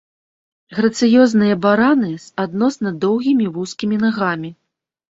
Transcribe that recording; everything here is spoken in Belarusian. Грацыёзныя бараны з адносна доўгімі, вузкімі нагамі.